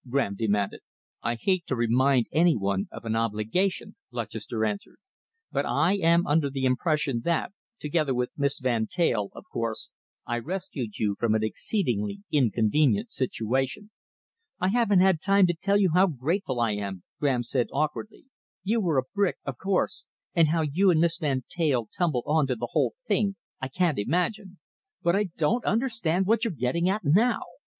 Graham demanded. "I hate to remind any one of an obligation," Lutchester answered, "but I am under the impression that, together with Miss Van Teyl, of course, I rescued you from an exceedingly inconvenient situation." "I haven't had time yet to tell you how grateful I am," Graham said awkwardly. "You were a brick, of course, and how you and Miss Van Teyl tumbled on to the whole thing I can't imagine. But I don't understand what you're getting at now.